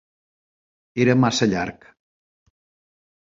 Era massa llarg.